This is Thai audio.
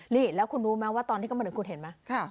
นี่แล้วคุณรู้ไหมว่าตอนที่เขามาถึงคุณเห็นไหม